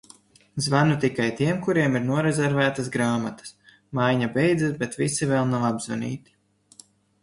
Zvanu tikai tiem, kuriem ir norezervētas grāmatas. Maiņa beidzas, bet visi vēl nav apzvanīti.